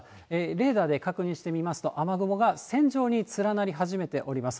レーダーで確認してみますと、雨雲が線状に連なり始めております。